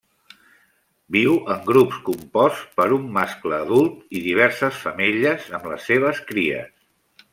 Viu en grups composts per un mascle adult i diverses femelles amb les seves cries.